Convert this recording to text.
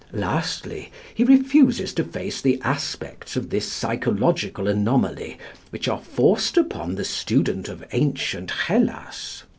Lastly, he refuses to face the aspects of this psychological anomaly which are forced upon the student of ancient Hellas.